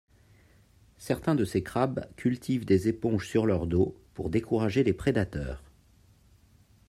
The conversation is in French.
Certains de ces crabes cultivent des éponges sur leur dos pour décourager les prédateurs.